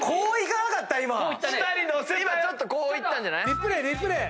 リプレーリプレー！